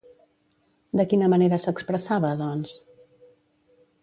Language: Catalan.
De quina manera s'expressava, doncs?